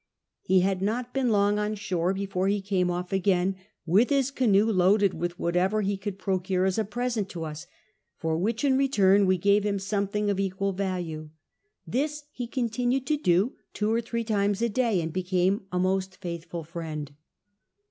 He had not been long on shore before he came off again, with his canoe loaded with whatever he could procure as a present to us ; for which in return we gave him something of equal value ; this he continued to do two 01* three times a day, and be.cmne a most faithful friend.